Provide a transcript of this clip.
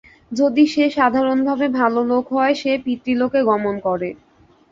যদি সে সাধারণভাবে ভাল লোক হয়, সে পিতৃলোকে গমন করে।